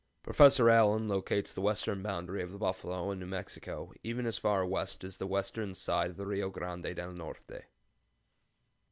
Professor Allen locates the western boundary of the buffalo in New Mexico even as far west as the western side of Rio Grande del Norte.